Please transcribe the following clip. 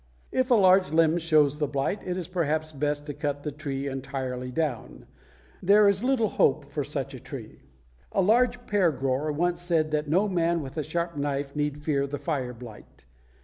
If a large limb shows the blight, it is perhaps best to cut the tree entirely down. There is little hope for such a tree. A large pear grower once said that no man with a sharp knife need fear the fire blight.